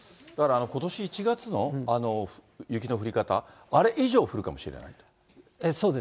だからことし１月の雪の降り方、あれ以上降るかもしれない？